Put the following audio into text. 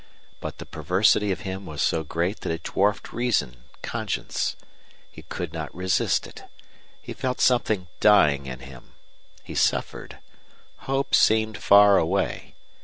But the perversity of him was so great that it dwarfed reason, conscience. He could not resist it. He felt something dying in him. He suffered. Hope seemed far away.